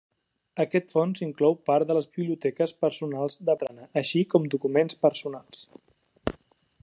Aquest fons inclou part de les biblioteques personals dels Bertrana així com documents personals.